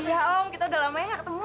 ya om kita udah lama ya gak ketemu